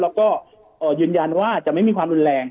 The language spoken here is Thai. แล้วก็ยืนยันว่าจะไม่มีความรุนแรง